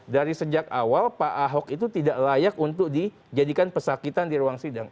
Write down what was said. dari sejak awal pak ahok itu tidak layak untuk dijadikan pesakitan di ruang sidang